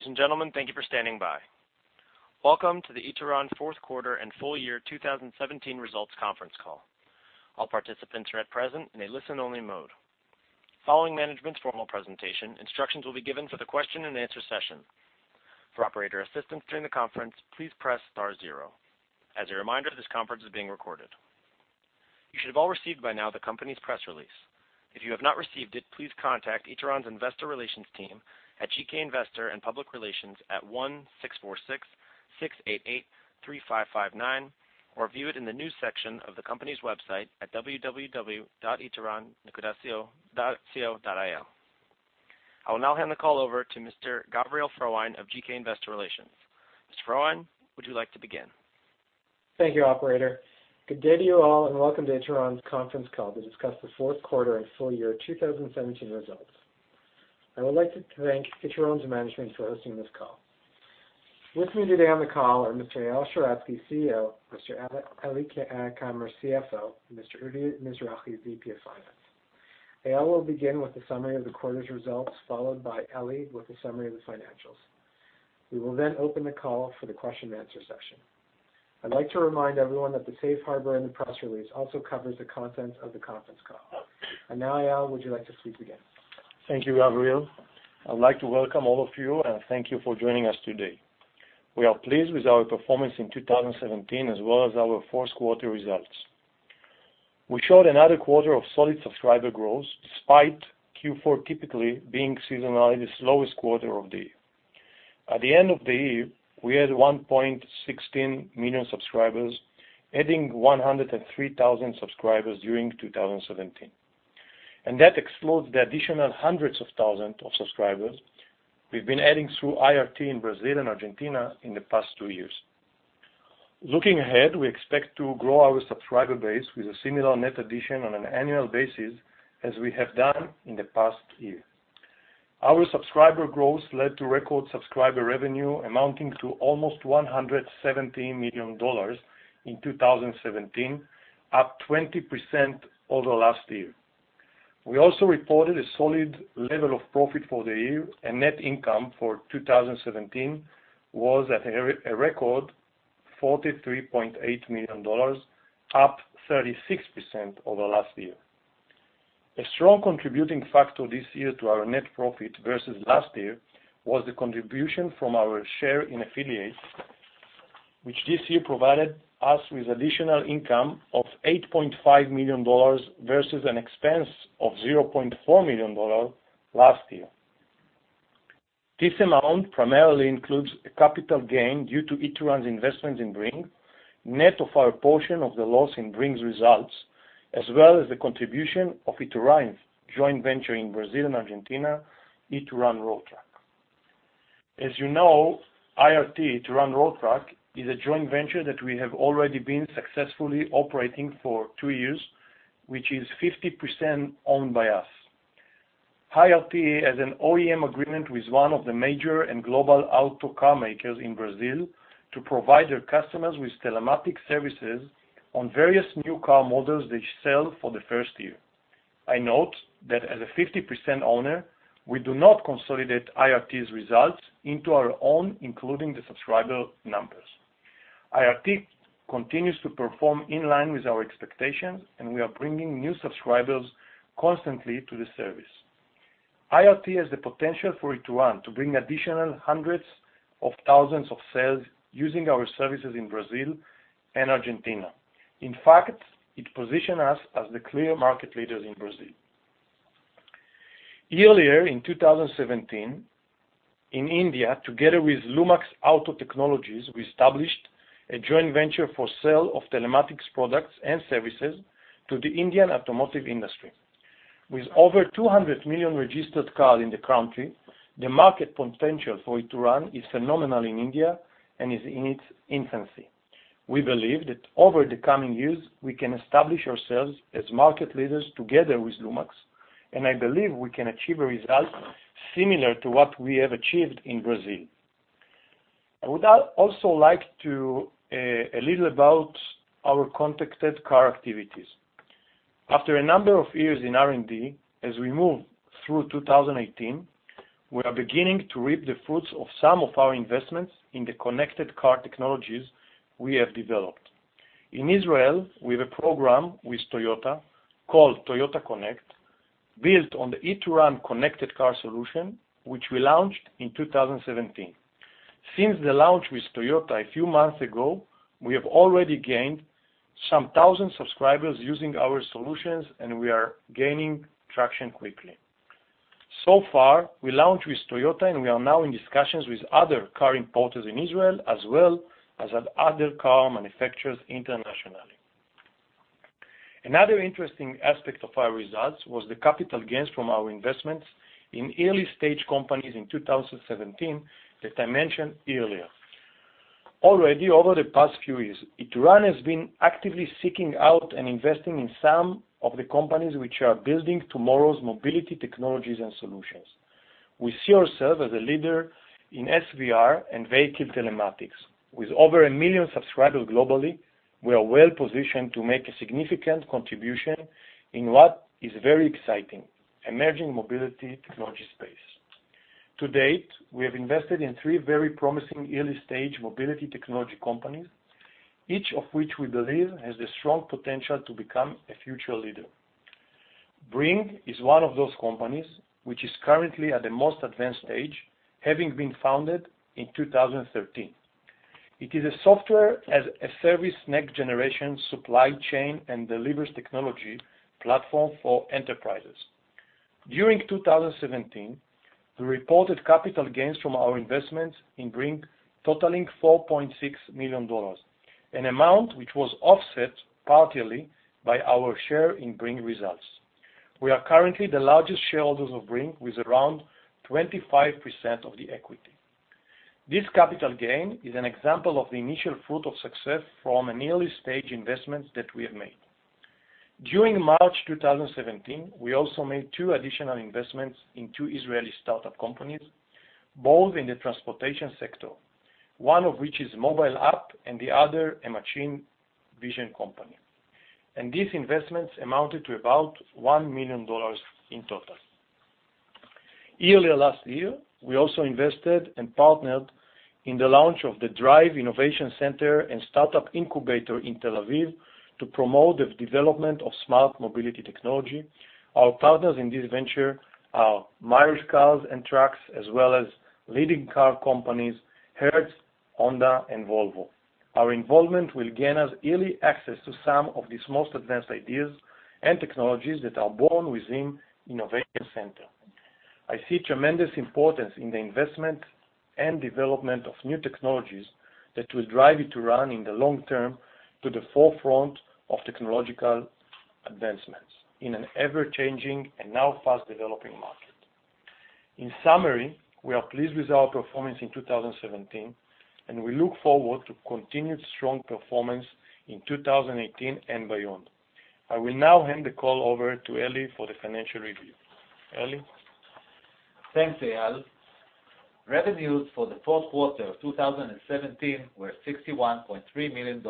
Ladies and gentlemen, thank you for standing by. Welcome to the Ituran fourth quarter and full year 2017 results conference call. All participants are at present in a listen-only mode. Following management's formal presentation, instructions will be given for the question and answer session. For operator assistance during the conference, please press star zero. As a reminder, this conference is being recorded. You should have all received by now the company's press release. If you have not received it, please contact Ituran's investor relations team at GK Investor and Public Relations at 1-646-688-3559 or view it in the news section of the company's website at www.ituran.co.il. I will now hand the call over to Mr. Gavriel Frohwein of GK Investor Relations. Mr. Frohwein, would you like to begin? Thank you, operator. Good day to you all and welcome to Ituran's conference call to discuss the fourth quarter and full year 2017 results. I would like to thank Ituran's management for hosting this call. With me today on the call are Mr. Eyal Sheratzky, CEO, Mr. Eli Kamer, our CFO, and Mr. Udi Mizrahi, VP of Finance. Eyal will begin with a summary of the quarter's results, followed by Eli with a summary of the financials. We will then open the call for the question and answer session. I'd like to remind everyone that the safe harbor in the press release also covers the content of the conference call. Now, Eyal, would you like to speak again? Thank you, Gavriel. I'd like to welcome all of you and thank you for joining us today. We are pleased with our performance in 2017 as well as our fourth quarter results. We showed another quarter of solid subscriber growth despite Q4 typically being seasonally the slowest quarter of the year. At the end of the year, we had 1.16 million subscribers, adding 103,000 subscribers during 2017, and that excludes the additional hundreds of thousands of subscribers we've been adding through IRT in Brazil and Argentina in the past 2 years. Looking ahead, we expect to grow our subscriber base with a similar net addition on an annual basis as we have done in the past year. Our subscriber growth led to record subscriber revenue amounting to almost $117 million in 2017, up 20% over last year. We also reported a solid level of profit for the year. Net income for 2017 was at a record $43.8 million, up 36% over last year. A strong contributing factor this year to our net profit versus last year was the contribution from our share in affiliates, which this year provided us with additional income of $8.5 million versus an expense of $0.4 million last year. This amount primarily includes a capital gain due to Ituran's investment in Bringg net of our portion of the loss in Bringg's results, as well as the contribution of Ituran's joint venture in Brazil and Argentina, Ituran Road Track. As you know, IRT, Ituran Road Track, is a joint venture that we have already been successfully operating for 2 years, which is 50% owned by us. IRT has an OEM agreement with one of the major and global auto car makers in Brazil to provide their customers with telematics services on various new car models they sell for the first year. I note that as a 50% owner, we do not consolidate IRT's results into our own including the subscriber numbers. IRT continues to perform in line with our expectations. We are bringing new subscribers constantly to the service. IRT has the potential for Ituran to bring additional hundreds of thousands of sales using our services in Brazil and Argentina. It positions us as the clear market leaders in Brazil. Earlier in 2017, in India, together with Lumax Auto Technologies, we established a joint venture for sale of telematics products and services to the Indian automotive industry. With over 200 million registered cars in the country, the market potential for Ituran is phenomenal in India and is in its infancy. We believe that over the coming years, we can establish ourselves as market leaders together with Lumax. I believe we can achieve a result similar to what we have achieved in Brazil. I would also like to a little about our connected car activities. After a number of years in R&D, as we move through 2018, we are beginning to reap the fruits of some of our investments in the connected car technologies we have developed. In Israel, we have a program with Toyota called Toyota Connect, built on the Ituran connected car solution, which we launched in 2017. Since the launch with Toyota a few months ago, we have already gained some thousand subscribers using our solutions. We are gaining traction quickly. Far, we launched with Toyota, and we are now in discussions with other car importers in Israel as well as other car manufacturers internationally. Another interesting aspect of our results was the capital gains from our investments in early-stage companies in 2017 that I mentioned earlier. Already, over the past few years, Ituran has been actively seeking out and investing in some of the companies which are building tomorrow's mobility technologies and solutions. We see ourselves as a leader in SVR and vehicle telematics. With over 1 million subscribers globally, we are well-positioned to make a significant contribution in what is a very exciting emerging mobility technology space. To date, we have invested in three very promising early-stage mobility technology companies, each of which we believe has the strong potential to become a future leader. Bringg is one of those companies, which is currently at the most advanced stage, having been founded in 2013. It is a software as a service, next-generation supply chain, and delivers technology platform for enterprises. During 2017, we reported capital gains from our investments in Bringg, totaling $4.6 million, an amount which was offset partially by our share in Bringg results. We are currently the largest shareholders of Bringg with around 25% of the equity. This capital gain is an example of the initial fruit of success from an early-stage investment that we have made. During March 2017, we also made two additional investments in two Israeli startup companies, both in the transportation sector, one of which is a mobile app and the other a machine vision company. These investments amounted to about $1 million in total. Earlier last year, we also invested and partnered in the launch of the DRIVE Innovation Center and Startup Incubator in Tel Aviv to promote the development of smart mobility technology. Our partners in this venture are Mayer Cars and Trucks, as well as leading car companies, Hertz, Honda, and Volvo. Our involvement will gain us early access to some of these most advanced ideas and technologies that are born within Innovation Center. I see tremendous importance in the investment and development of new technologies that will drive Ituran in the long term to the forefront of technological advancements in an ever-changing and now fast-developing market. In summary, we are pleased with our performance in 2017. We look forward to continued strong performance in 2018 and beyond. I will now hand the call over to Eli for the financial review. Eli? Thanks, Eyal. Revenues for the fourth quarter of 2017 were $61.3 million,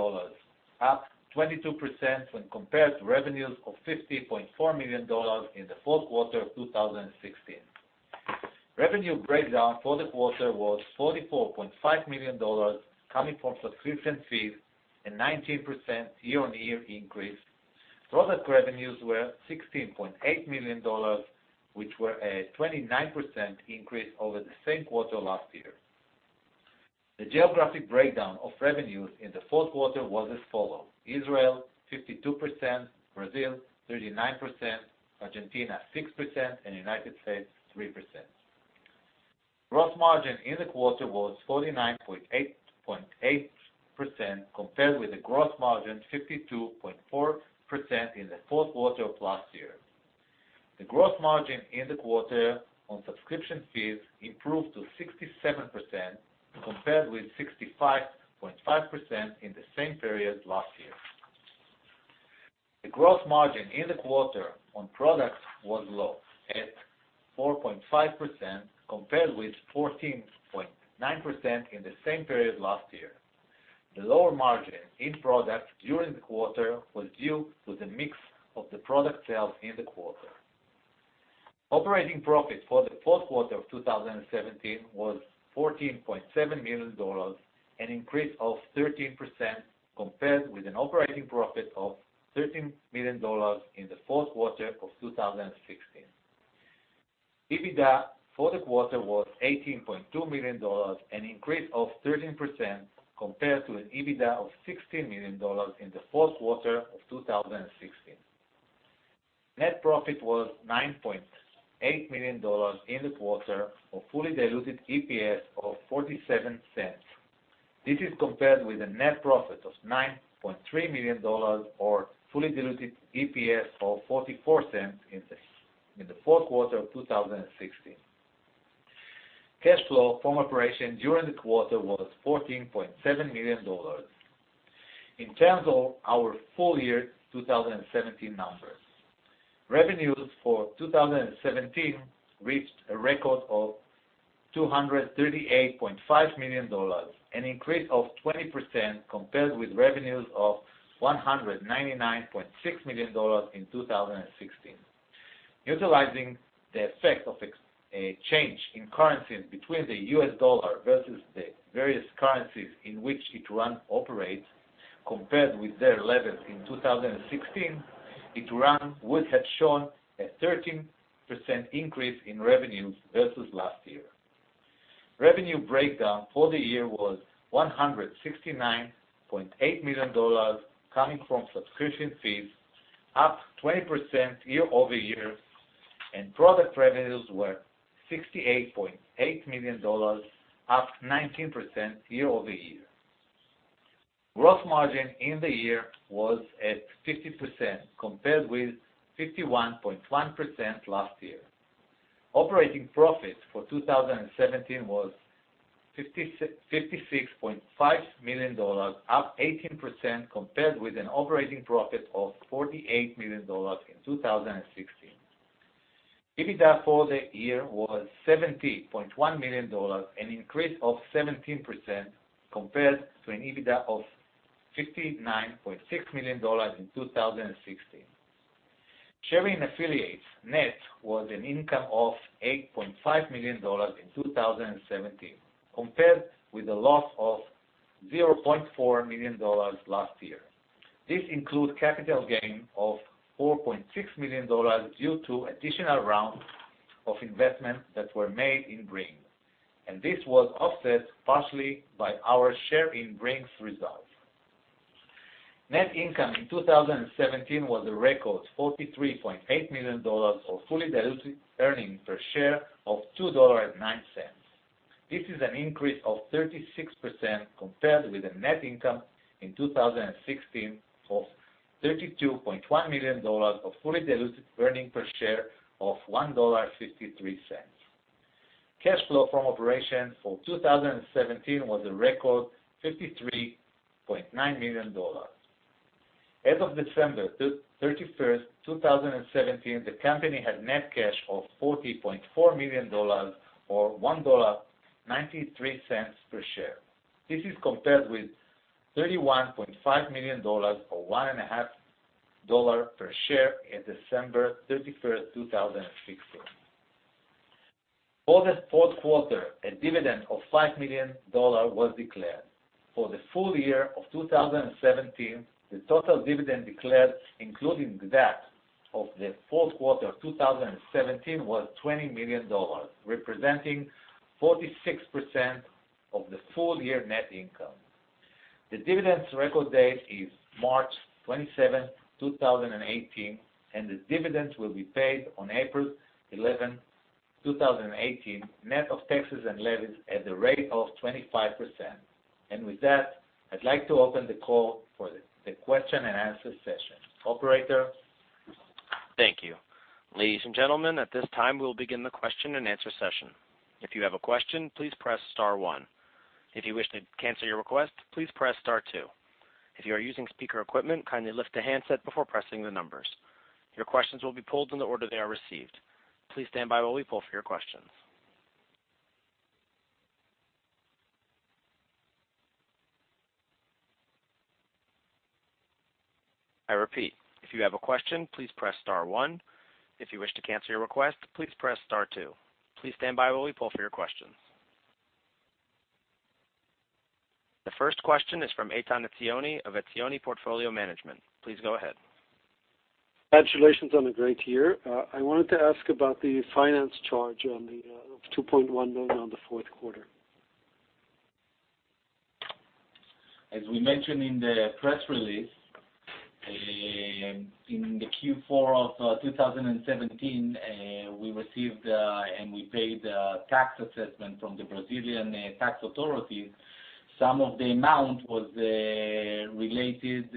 up 22% when compared to revenues of $50.4 million in the fourth quarter of 2016. Revenue breakdown for the quarter was $44.5 million coming from subscription fees, a 19% year-on-year increase. Product revenues were $16.8 million, which were a 29% increase over the same quarter last year. The geographic breakdown of revenues in the fourth quarter was as follows: Israel 52%, Brazil 39%, Argentina 6%, and United States 3%. Gross margin in the quarter was 49.8% compared with the gross margin 52.4% in the fourth quarter of last year. The gross margin in the quarter on subscription fees improved to 67% compared with 65.5% in the same period last year. The gross margin in the quarter on products was low at 4.5%, compared with 14.9% in the same period last year. The lower margin in products during the quarter was due to the mix of the product sales in the quarter. Operating profit for the fourth quarter of 2017 was $14.7 million, an increase of 13% compared with an operating profit of $13 million in the fourth quarter of 2016. EBITDA for the quarter was $18.2 million, an increase of 13% compared to an EBITDA of $16 million in the fourth quarter of 2016. Net profit was $9.8 million in the quarter of fully diluted EPS of $0.47. This is compared with a net profit of $9.3 million or fully diluted EPS of $0.44 in the fourth quarter of 2016. Cash flow from operation during the quarter was $14.7 million. In terms of our full year 2017 numbers, revenues for 2017 reached a record of $238.5 million, an increase of 20% compared with revenues of $199.6 million in 2016. Utilizing the effect of a change in currencies between the US dollar versus the various currencies in which Ituran operates, compared with their levels in 2016, Ituran would have shown a 13% increase in revenues versus last year. Revenue breakdown for the year was $169.8 million, coming from subscription fees up 20% year-over-year. Product revenues were $68.8 million, up 19% year-over-year. Gross margin in the year was at 50%, compared with 51.1% last year. Operating profit for 2017 was $56.5 million, up 18%, compared with an operating profit of $48 million in 2016. EBITDA for the year was $70.1 million, an increase of 17%, compared to an EBITDA of $59.6 million in 2016. Share in affiliates net was an income of $8.5 million in 2017, compared with a loss of $0.4 million last year. This includes capital gain of $4.6 million due to additional rounds of investment that were made in Bringg. This was offset partially by our share in Bringg's results. Net income in 2017 was a record $43.8 million, or fully diluted earnings per share of $2.09. This is an increase of 36% compared with the net income in 2016 of $32.1 million of fully diluted earnings per share of $1.53. Cash flow from operations for 2017 was a record $53.9 million. As of December 31st, 2017, the company had net cash of $40.4 million or $1.93 per share. This is compared with $31.5 million, or $1.5 per share in December 31st, 2016. For the fourth quarter, a dividend of $5 million was declared. For the full year of 2017, the total dividend declared, including that of the fourth quarter 2017, was $20 million, representing 46% of the full-year net income. The dividend's record date is March 27th, 2018, and the dividend will be paid on April 11th, 2018, net of taxes and levies at the rate of 25%. With that, I'd like to open the call for the question and answer session. Operator. Thank you. Ladies and gentlemen, at this time, we'll begin the question and answer session. If you have a question, please press star one. If you wish to cancel your request, please press star two. If you are using speaker equipment, kindly lift the handset before pressing the numbers. Your questions will be pulled in the order they are received. Please stand by while we pull for your questions. I repeat, if you have a question, please press star one. If you wish to cancel your request, please press star two. Please stand by while we pull for your questions. The first question is from Eitan Etzioni of Etzioni Portfolio Management. Please go ahead. Congratulations on a great year. I wanted to ask about the finance charge of $2.1 million on the fourth quarter. As we mentioned in the press release, in the Q4 of 2017, we received, and we paid, a tax assessment from the Brazilian tax authorities. Some of the amount was related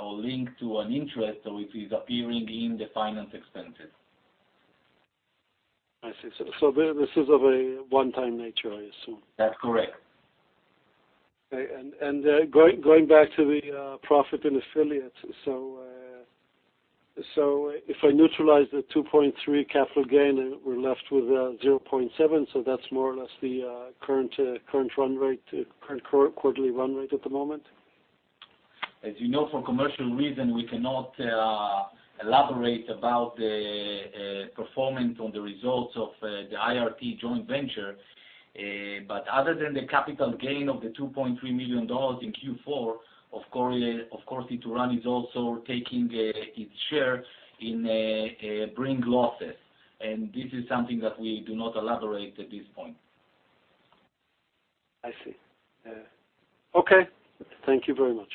or linked to an interest, it is appearing in the finance expenses. I see. This is of a one-time nature, I assume. That's correct. Okay. Going back to the profit in affiliates, if I neutralize the $2.3 capital gain, we're left with $0.7, that's more or less the current quarterly run rate at the moment? As you know, for commercial reasons, we cannot elaborate about the performance on the results of the IRT joint venture. Other than the capital gain of the $2.3 million in Q4, of course, Ituran is also taking its share in Bringg losses, this is something that we do not elaborate at this point. I see. Okay. Thank you very much.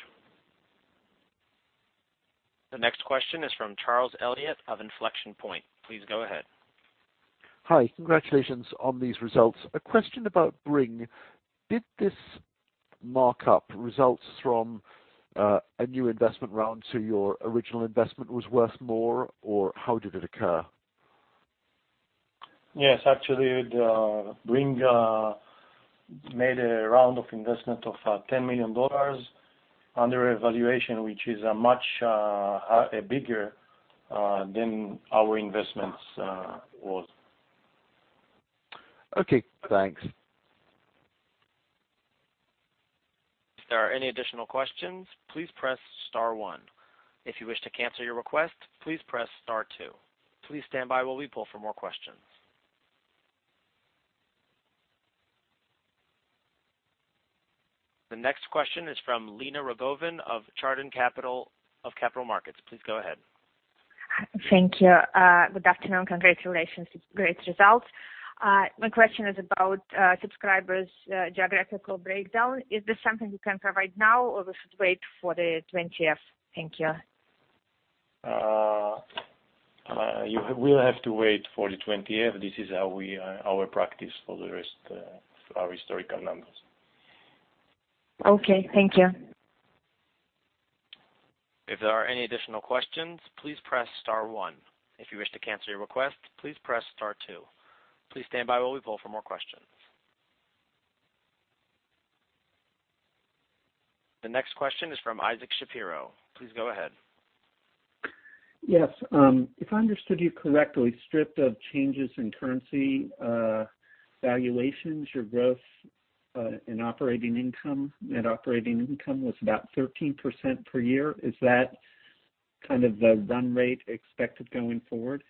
The next question is from Charles Elliott of Inflection Point. Please go ahead. Hi. Congratulations on these results. A question about Bringg. Did this markup results from a new investment round, your original investment was worth more? How did it occur? Yes, actually, Bringg made a round of investment of $10 million under a valuation, which is much bigger than our investments was. Okay, thanks. If there are any additional questions, please press star one. If you wish to cancel your request, please press star two. Please stand by while we pull for more questions. The next question is from Lena Rogovin of Chardan Capital Markets. Please go ahead. Thank you. Good afternoon. Congratulations, great results. My question is about subscribers' geographical breakdown. Is this something you can provide now, or we should wait for the 20-F? Thank you. You will have to wait for the 20-F. This is our practice for the rest of our historical numbers. Okay, thank you. If there are any additional questions, please press star one. If you wish to cancel your request, please press star two. Please stand by while we pull for more questions. The next question is from Isaac Shapiro. Please go ahead. Yes. If I understood you correctly, stripped of changes in currency valuations, your growth in operating income, net operating income was about 13% per year. Is that kind of the run rate expected going forward?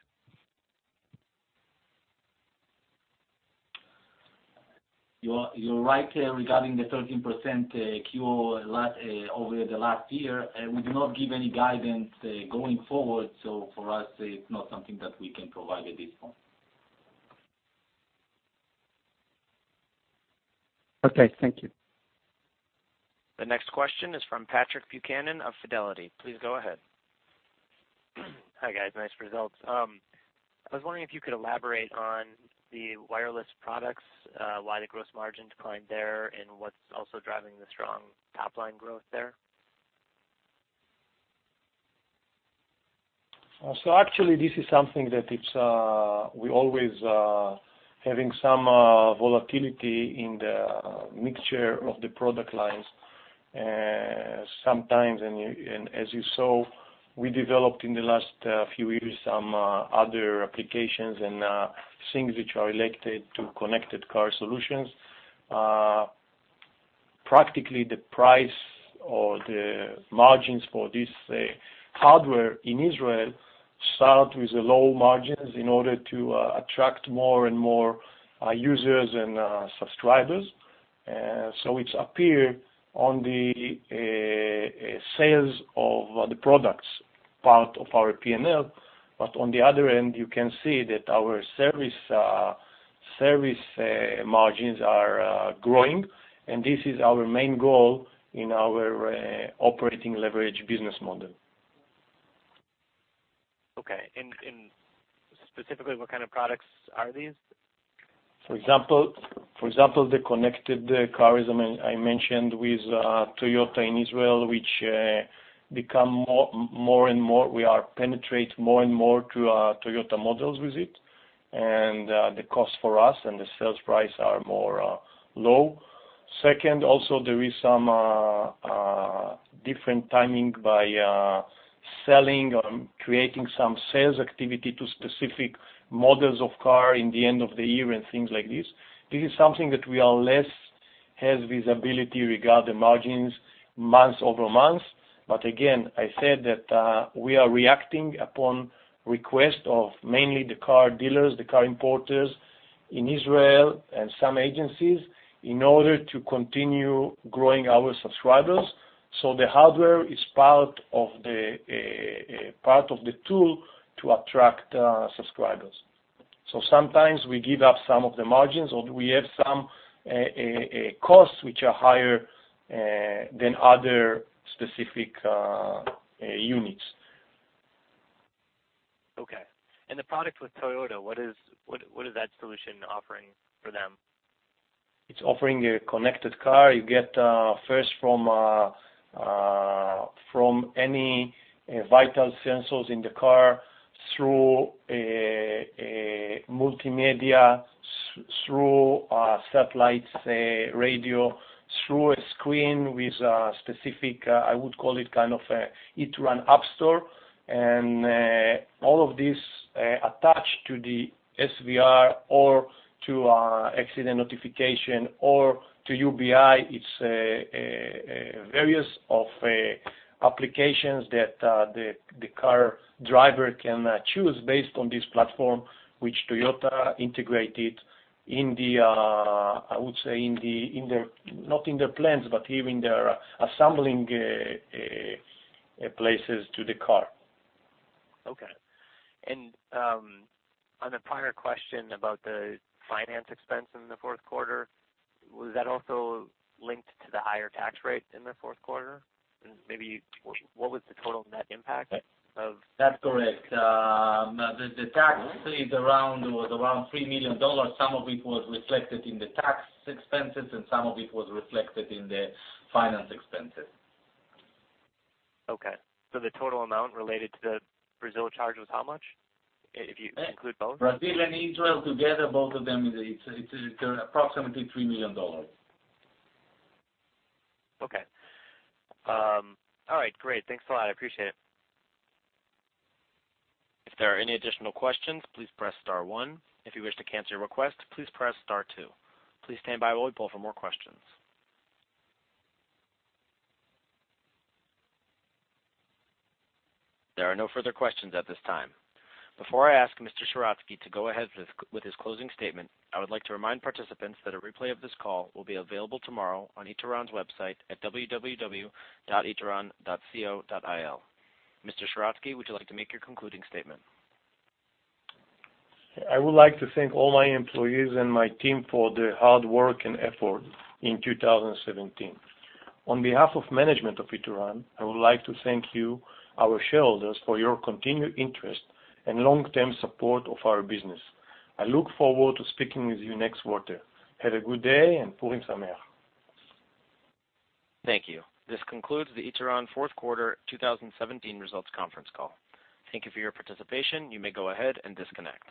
You're right regarding the 13% [growth] over the last year. We do not give any guidance going forward. For us, it's not something that we can provide at this point. Okay, thank you. The next question is from Patrick Buchanan of Fidelity. Please go ahead. Hi, guys. Nice results. I was wondering if you could elaborate on the wireless products, why the gross margin declined there, and what's also driving the strong top-line growth there. Actually, this is something that we're always having some volatility in the mixture of the product lines. Sometimes, and as you saw, we developed in the last few years, some other applications and things which are related to connected car solutions. Practically, the price or the margins for this hardware in Israel start with low margins in order to attract more and more users and subscribers. It appears on the sales of the products part of our P&L, but on the other end, you can see that our service margins are growing, and this is our main goal in our operating leverage business model. Okay. Specifically, what kind of products are these? For example, the connected car I mentioned with Toyota in Israel, which we penetrate more and more to Toyota models with it, and the cost for us and the sales price are lower. Second, also there is some different timing by selling or creating some sales activity to specific models of car in the end of the year and things like this. This is something that we are less have visibility regarding margins month-over-month. Again, I said that we are reacting upon request of mainly the car dealers, the car importers in Israel, and some agencies in order to continue growing our subscribers. The hardware is part of the tool to attract subscribers. Sometimes we give up some of the margins, or we have some costs which are higher than other specific units. Okay. The product with Toyota, what is that solution offering for them? It's offering a connected car. You get first from any vital sensors in the car through multimedia, through satellite radio, through a screen with a specific, I would call it kind of an Ituran app store. All of this attached to the SVR or to accident notification or to UBI. It's various applications that the car driver can choose based on this platform, which Toyota integrated in the, I would say, not in their plans, but even their assembling places to the car. Okay. On the prior question about the finance expense in the fourth quarter, was that also linked to the higher tax rate in the fourth quarter? Maybe what was the total net impact of- That's correct. The tax is around $3 million. Some of it was reflected in the tax expenses, and some of it was reflected in the finance expenses. Okay. The total amount related to the Brazil charge was how much, if you include both? Brazil and Israel together, both of them, it's approximately $3 million. Okay. All right, great. Thanks a lot. I appreciate it. If there are any additional questions, please press star one. If you wish to cancel your request, please press star two. Please stand by while we poll for more questions. There are no further questions at this time. Before I ask Mr. Sheratzky to go ahead with his closing statement, I would like to remind participants that a replay of this call will be available tomorrow on Ituran's website at www.ituran.co.il. Mr. Sheratzky, would you like to make your concluding statement? I would like to thank all my employees and my team for their hard work and effort in 2017. On behalf of management of Ituran, I would like to thank you, our shareholders, for your continued interest and long-term support of our business. I look forward to speaking with you next quarter. Have a good day, and Purim Sameach. Thank you. This concludes the Ituran fourth quarter 2017 results conference call. Thank you for your participation. You may go ahead and disconnect.